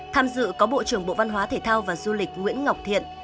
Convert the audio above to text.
tham dự có bộ trưởng bộ văn hóa thể thao và du lịch nguyễn ngọc thiện